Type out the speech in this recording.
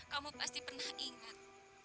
kamu pasti pernah ingat